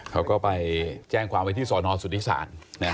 เขาก็ไปแจ้งความไว้ที่สอนอสุทธิศาล